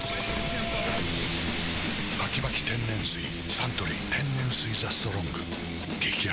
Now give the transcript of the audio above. サントリー天然水「ＴＨＥＳＴＲＯＮＧ」激泡